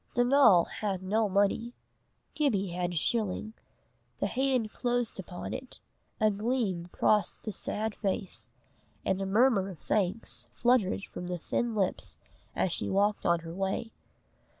Donal had no money. Gibbie had a shilling. The hand closed upon it, a gleam crossed the sad face, and a murmur of thanks fluttered from the thin lips as she walked on her way.